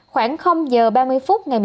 khoảng giờ ba mươi phút